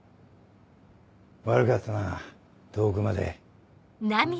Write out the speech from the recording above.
悪かったな遠くまで。